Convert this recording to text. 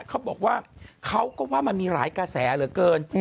เขาบอกว่ามันมีหลายกระแสเหลือเกิน